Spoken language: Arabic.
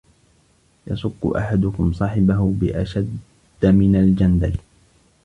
يَصُكُّ أَحَدُكُمْ صَاحِبَهُ بِأَشَدَّ مِنْ الْجَنْدَلِ